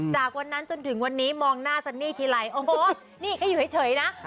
จากวันนั้นจนถึงวันนี้มองหน้าสั้นนี้เฮียไลก์โอ้โฮนี่ให้อยู่ให้เฉยนะ